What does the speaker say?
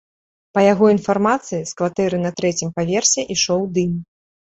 Па яго інфармацыі, з кватэры на трэцім паверсе ішоў дым.